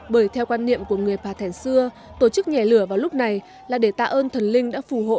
bởi theo quan niệm của người pà thèn xưa tổ chức nhảy lửa vào lúc này là để tạ ơn thần linh đã phù hộ